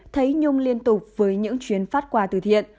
thấy nhung liên tục với những chuyến phát quà từ thiện